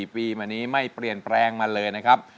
ปีมานี้ไม่เปลี่ยนแปลงมาเลยนะครับ